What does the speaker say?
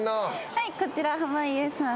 はいこちら濱家さん。